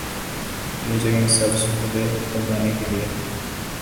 یہ جگہیں سبز پودے اگانے کے لئے